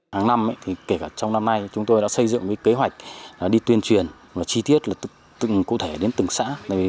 hàng năm kể cả trong năm nay chúng tôi đã xây dựng kế hoạch đi tuyên truyền chi tiết từng cụ thể đến từng xã